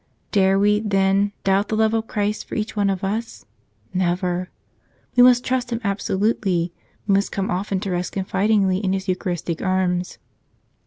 Dare we, then, doubt the love of Christ for each one of us? Never! We must trust Him absolutely; we must come often to rest confidently in His Euchar¬ istic arms.